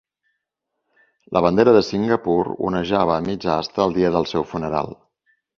La bandera de Singapur onejava a mitja asta el dia del seu funeral.